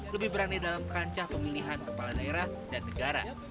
lebih berani dalam kancah pemilihan kepala daerah dan negara